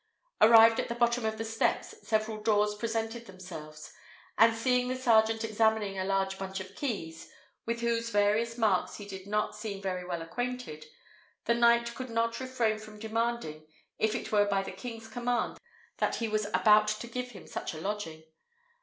Arrived at the bottom of the steps, several doors presented themselves; and, seeing the sergeant examining a large bunch of keys, with whose various marks he did not seem very well acquainted, the knight could not refrain from demanding, if it were by the king's command that he was about to give him such a lodging.